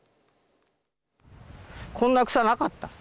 こんな草なかった。